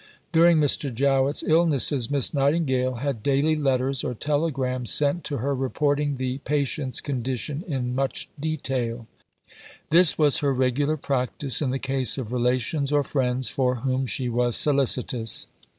During Mr. Jowett's illnesses, Miss Nightingale had daily letters or telegrams sent to her reporting the patient's condition in much detail. This was her regular practice in the case of relations or friends for whom she was solicitous.